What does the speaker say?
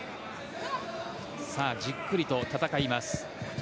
じっくりと戦います。